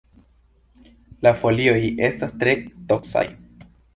La folioj estas tre toksaj.